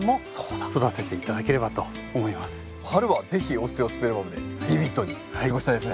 春は是非オステオスペルマムでビビッドに過ごしたいですね。